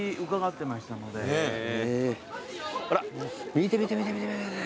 見て見て見て見て。